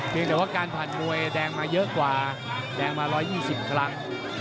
แต่ว่าการผ่านมวยแดงมาเยอะกว่าแดงมา๑๒๐ครั้ง